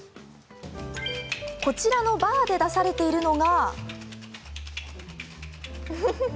こちらのバーで出されているのが。